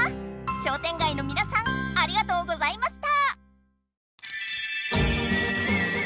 商店街のみなさんありがとうございました！